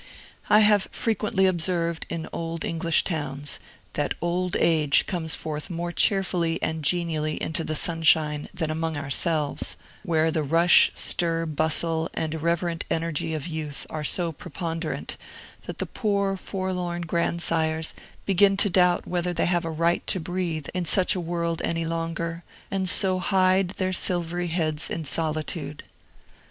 I have frequently observed, in old English towns, that Old Age comes forth more cheerfully and genially into the sunshine than among ourselves, where the rush, stir, bustle, and irreverent energy of youth are so preponderant, that the poor, forlorn grandsires begin to doubt whether they have a right to breathe in such a world any longer, and so hide their silvery heads in solitude.